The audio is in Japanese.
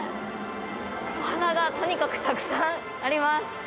お花がとにかくたくさんあります。